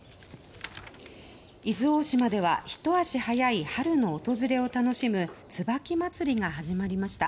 伊豆大島では一足早い春の訪れを楽しむ椿まつりが始まりました。